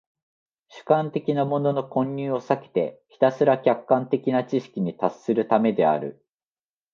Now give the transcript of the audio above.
主観的なものの混入を避けてひたすら客観的な知識に達するためである。